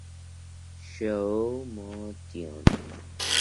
Slow Motion